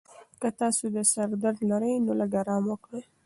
که تاسي د سر درد لرئ، نو لږ ارام وکړئ.